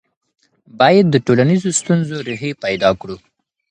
باید د ټولنیزو ستونزو ریښې پیدا کړو.